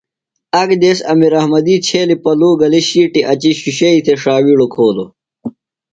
آک دیس امیر احمدی چھیلیۡ پلو گلیۡ شیٹی اچی شِشوئی تھےۡ شاوِیڑوۡ کھولوۡ۔